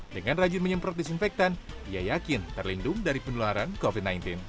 dengan rajin menyemprot disinfektan ia yakin terlindung dari penularan covid sembilan belas